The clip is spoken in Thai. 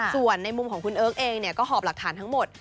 ส่วนในมุมของคุณเอิร์กเองก็หอบหลักฐานทั้งหมด